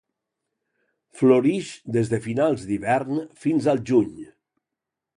Florix des de finals d'hivern fins al juny.